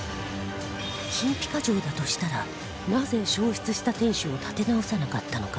金ピカ城だとしたらなぜ焼失した天守を建て直さなかったのか？